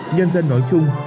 nhân dân nói chung